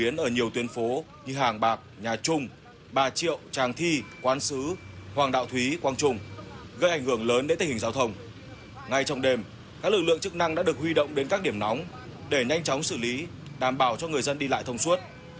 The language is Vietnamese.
nhiều lực lượng đã được huy động để nhanh chóng xử lý đảm bảo cho người dân đi lại thông suốt